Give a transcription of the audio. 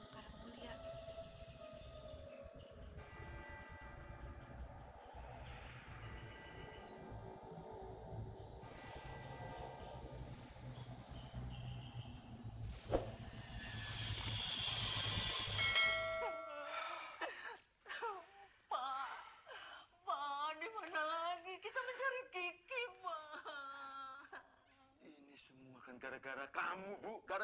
pak ini pasti gara gara si yanuar